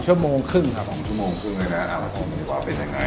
ชั่วโมงครึ่งครับ๒ชั่วโมงครึ่งเลยนะเอามาชมกันดีกว่าเป็นยังไง